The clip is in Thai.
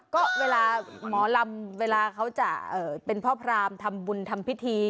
ก็เวลาหมอลำเวลาเขาจะเป็นพ่อพรามทำบุญทำพิธี